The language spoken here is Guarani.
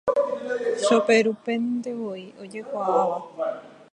Choperupentevoi ojekuaáva.